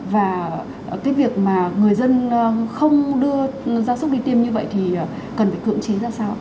và cái việc mà người dân không đưa ra súc đi tiêm như vậy thì cần phải cưỡng chế ra sao